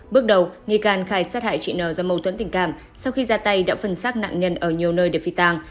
bước đầu nghi can khai sát hại chị nờ do mâu thuẫn tình cảm sau khi ra tay đã phân xác nạn nhân ở nhiều nơi để phi tàng